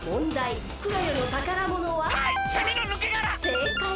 せいかい。